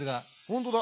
本当だ！